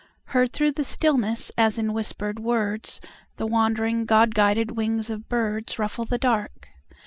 Heard through the stillness, as in whispered words, The wandering God guided wings of birdsRuffle the dark.